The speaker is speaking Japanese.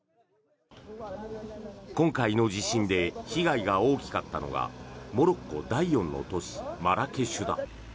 今回の地震で被害が大きかったのがモロッコ第４の都市マラケシュだ。